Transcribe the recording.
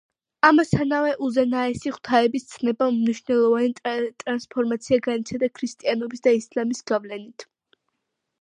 ამასთანავე, უზენაესი ღვთაების ცნებამ მნიშვნელოვანი ტრანსფორმაცია განიცადა ქრისტიანობის და ისლამის გავლენით.